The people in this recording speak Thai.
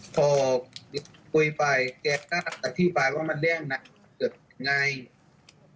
พอคุยไปแกก็อธิบายว่ามันเรื่องหนักเกิดไง